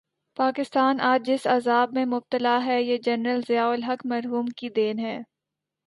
پاکستان آج جس عذاب میں مبتلا ہے، یہ جنرل ضیاء الحق مرحوم کی دین ہے۔